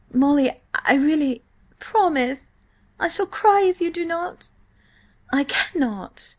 "Molly, I really—" "Promise! I shall cry if you do not!" "I cannot!